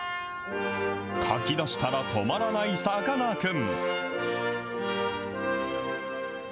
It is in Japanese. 描きだしたら止まらないさかなクン。